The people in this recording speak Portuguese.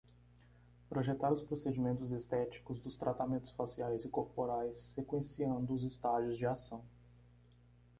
Projetar os procedimentos estéticos dos tratamentos faciais e corporais, sequenciando os estágios de ação.